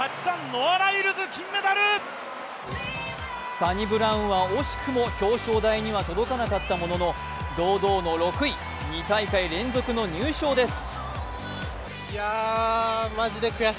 サニブラウンは惜しくも表彰台には届かなかったものの堂々の６位、２大会連続の入賞です。